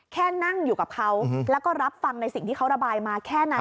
แค่นั่งอยู่กับเขาแล้วก็รับฟังในสิ่งที่เขาระบายมาแค่นั้น